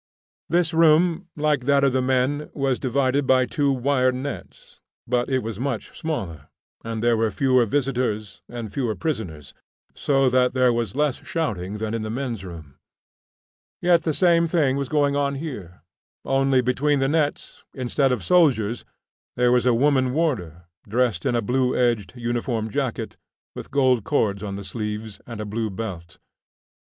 This room, like that of the men, was divided by two wire nets; but it was much smaller, and there were fewer visitors and fewer prisoners, so that there was less shouting than in the men's room. Yet the same thing was going on here, only, between the nets instead of soldiers there was a woman warder, dressed in a blue edged uniform jacket, with gold cords on the sleeves, and a blue belt.